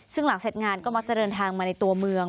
ซึ่งหลังเสร็จงานก็มักจะเดินทางมาในตัวเมือง